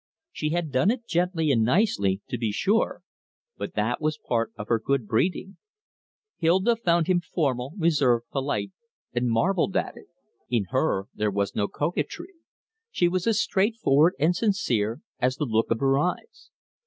She had done it gently and nicely, to be sure, but that was part of her good breeding. Hilda found him formal, reserved, polite; and marvelled at it. In her was no coquetry. She was as straightforward and sincere as the look of her eyes.